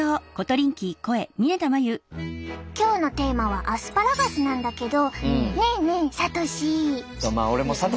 今日のテーマは「アスパラガス」なんだけどねえねえサトシ。